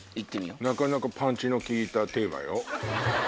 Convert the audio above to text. なかなかパンチの効いたテーマよ。